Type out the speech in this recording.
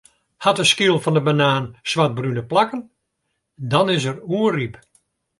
Hat de skyl fan 'e banaan swartbrune plakken, dan is er oerryp.